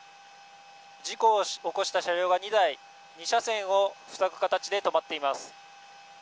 事故を起こした車両が２台２車線を塞ぐ形で止まっています。